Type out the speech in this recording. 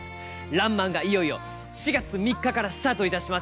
「らんまん」がいよいよ４月３日からスタートいたします。